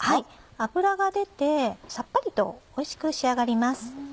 脂が出てさっぱりとおいしく仕上がります。